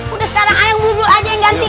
udah sekarang ayang bul bul aja yang gantiin